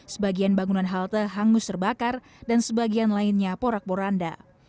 sebagian bangunan halte hangus terbakar dan sebagian lainnya porak poranda